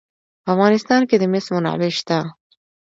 په افغانستان کې د مس منابع شته.